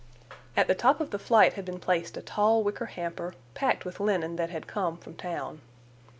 At the top of the flight had been placed a tall wicker hamper, packed, with linen that had come from town.